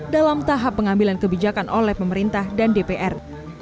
dalam tahap pengambilan kebijakan oleh pemerintah dan dpr